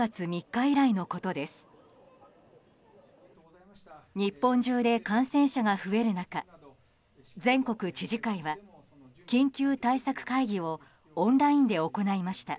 日本中で感染者が増える中全国知事会は緊急対策会議をオンラインで行いました。